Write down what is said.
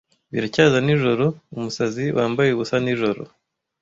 Biracyaza nijoro - umusazi wambaye ubusa nijoro.